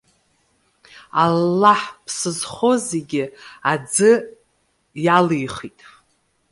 Аллаҳ ԥсы зхо зегьы аӡы иалихит.